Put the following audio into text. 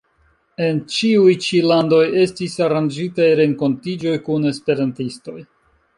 En ĉiuj ĉi landoj estis aranĝitaj renkontiĝoj kun esperantistoj.